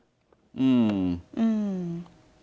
อืม